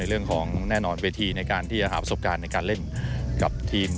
เรื่องของแน่นอนเวทีในการที่จะหาประสบการณ์ในการเล่นกับทีม